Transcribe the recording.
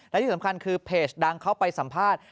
และที่สำคัญคือเพจดังเขาไปสัมภาษณ์